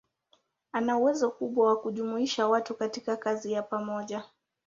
Ana uwezo mkubwa wa kujumuisha watu katika kazi ya pamoja.